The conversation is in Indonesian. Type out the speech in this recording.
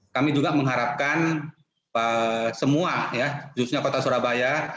kami juga mengharapkan semua justru kota surabaya